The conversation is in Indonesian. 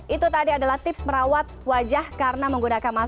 itu tadi adalah tips merawat wajah karena menggunakan masker